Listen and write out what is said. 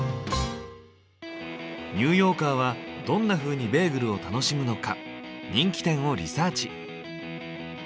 ニューヨーカーはどんなふうにベーグルを楽しむのか人気店をリサーチ。